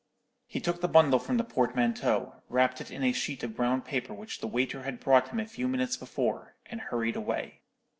"He took the bundle from the portmanteau, wrapped it in a sheet of brown paper which the waiter had brought him a few minutes before, and hurried away.